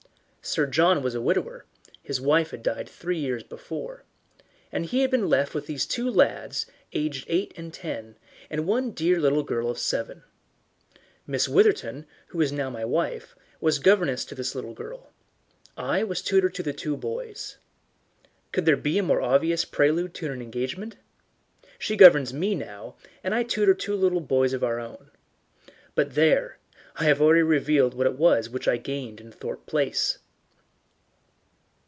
Sir John was a widower his wife had died three years before and he had been left with these two lads aged eight and ten, and one dear little girl of seven. Miss Witherton, who is now my wife, was governess to this little girl. I was tutor to the two boys. Could there be a more obvious prelude to an engagement? She governs me now, and I tutor two little boys of our own. But, there I have already revealed what it was which I gained in Thorpe Place!